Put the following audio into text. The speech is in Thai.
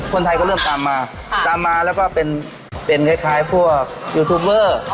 คนไทยก็เริ่มตามมาตามมาแล้วก็เป็นเป็นคล้ายพวกยูทูบเบอร์